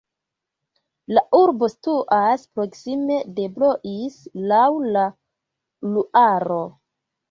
La urbo situas proksime de Blois laŭ la Luaro.